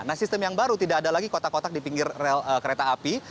nah sistem yang baru tidak ada lagi kotak kotak di pinggir rel kereta api